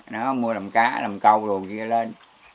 nó mua làm cá làm câu rồi kia lên